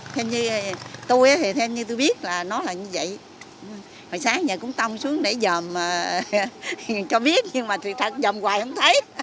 thêm như tôi thì thêm như tôi biết là nó là như vậy hồi sáng giờ cũng tông xuống để dòm cho biết nhưng mà thật dòm hoài không thấy